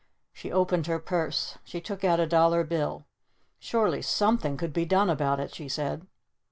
She opened her purse. She took out a dollar bill. "Surely something could be done about it!" she said.